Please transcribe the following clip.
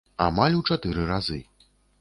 Амаль у чатыры разы!